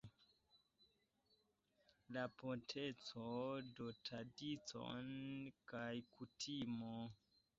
La potenco de tradicio kaj kutimo.